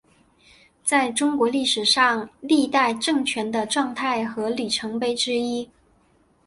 在中国历史上是历代政权的状态和里程碑之一。